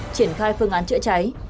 triển khai phương án chữa cháy